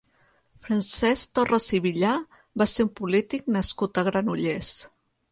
Francesc Torras i Villà va ser un polític nascut a Granollers.